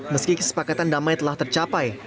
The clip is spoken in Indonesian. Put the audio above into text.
meski kesepakatan damai telah tercapai